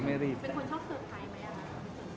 เป็นคนชอบเซอร์ไพรส์ไหมคะ